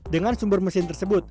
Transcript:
dengan sumber mesin tersebut